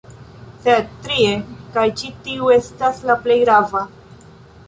Sed trie, kaj ĉi tiu estas la plej grava